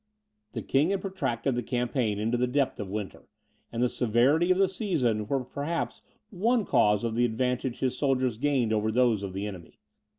The king had protracted the campaign into the depth of winter, and the severity of the season was perhaps one cause of the advantage his soldiers gained over those of the enemy.